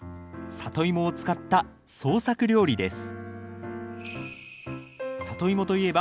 サトイモを使った創作料理です。